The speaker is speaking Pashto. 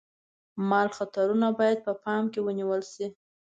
مال خطرونه باید په پام کې ونیول شي.